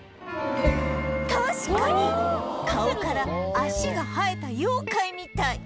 確かに顔から脚が生えた妖怪みたい